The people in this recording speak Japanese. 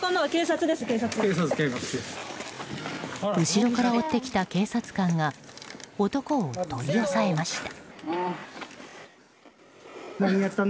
後ろから追ってきた警察官が男を取り押さえました。